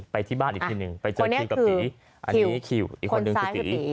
ไปที่บ้านอีกทีหนึ่งไปเจอคิวกับตีอันนี้คิวอีกคนนึงคือตี